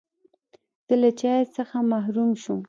زه له چای څخه محروم شوم.